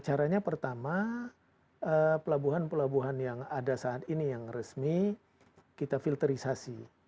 caranya pertama pelabuhan pelabuhan yang ada saat ini yang resmi kita filterisasi